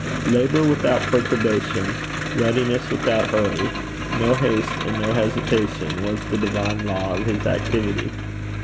Labour without perturbation, readiness without hurry, no haste, and no hesitation, was the divine law of his activity.